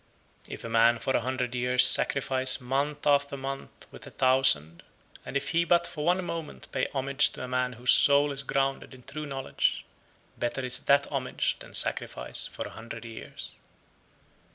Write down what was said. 106. If a man for a hundred years sacrifice month after month with a thousand, and if he but for one moment pay homage to a man whose soul is grounded (in true knowledge), better is that homage than sacrifice for a hundred years.